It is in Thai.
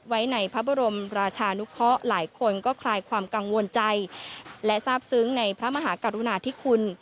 ไว้ในพระบรมราชานุเคาะหลายคนก็คลายความกังวลใจและทราบซึ้งในพระมหากรุณาธิคุณ